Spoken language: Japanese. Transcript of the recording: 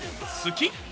好き？